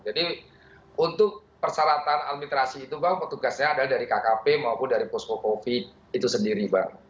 jadi untuk persyaratan administrasi itu bang petugasnya adalah dari kkp maupun dari posko covid itu sendiri bang